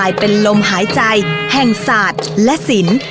คุณผู้ชมอยู่กับดิฉันใบตองราชนุกูลที่จังหวัดสงคลาค่ะ